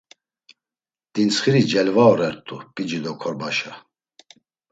Dintsxiri celvaorert̆u p̌ici do korbaşa.